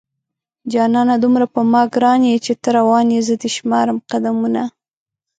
جانانه دومره په ما گران يې چې ته روان يې زه دې شمارم قدمونه